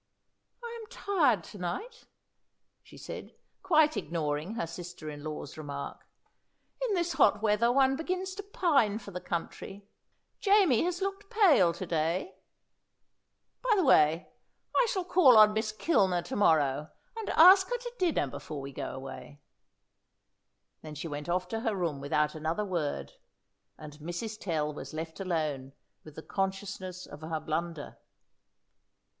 "I am tired to night," she said, quite ignoring her sister in law's remark. "In this hot weather one begins to pine for the country. Jamie has looked pale to day. By the way, I shall call on Miss Kilner to morrow, and ask her to dinner before we go away." Then she went off to her room without another word, and Mrs. Tell was left alone with the consciousness of her blunder.